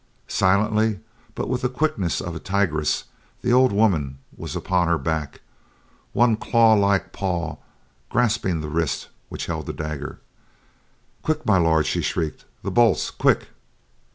Silently, but with the quickness of a tigress the old woman was upon her back, one claw like paw grasping the wrist which held the dagger. "Quick, My Lord!" she shrieked, "the bolts, quick."